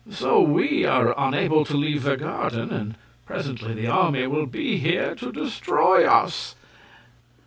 So we are unable to leave the garden, and presently the army will be here to destroy us."